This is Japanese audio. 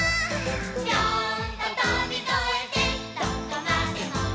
「ピョーンととびこえてどこまでも」